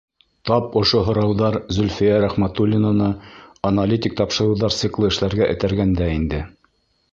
Тап ошо һорауҙар Зөлфиә Рәхмәтуллинаны аналитик тапшырыуҙар циклы эшләргә этәргән дә инде.